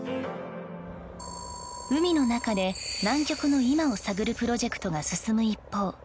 海の中で南極の今を探るプロジェクトが進む一方